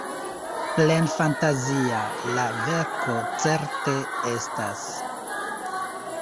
Plenfantazia la verko certe estas.